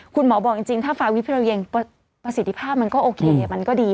คุณหมอบอกจริงถ้าฟาวิบที่เราเย็นประสิทธิภาพมันก็โอเคมันก็ดี